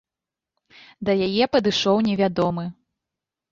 Да яе падышоў невядомы.